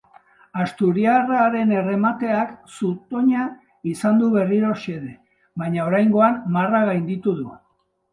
Asturiarraren erremateak zutoina izan du berriro xede, baina oraingoan marra gainditu du.